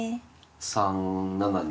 ３七に？